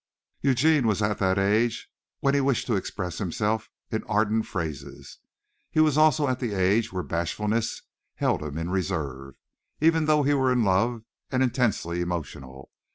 Eugene was at that age when he wished to express himself in ardent phrases. He was also at the age when bashfulness held him in reserve, even though he were in love and intensely emotional.